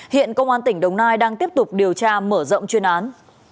hiện công an tỉnh đồng nai đang tiếp tục điều tra mở rộng chuyên án